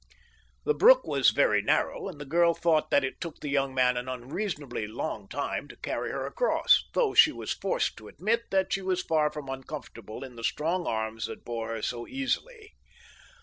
The brook was very narrow, and the girl thought that it took the young man an unreasonably long time to carry her across, though she was forced to admit that she was far from uncomfortable in the strong arms that bore her so easily.